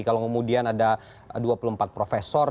kalau kemudian ada dua puluh empat profesor